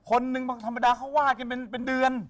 คนหนึ่งปกติเขาวาดกันเป็นเดือน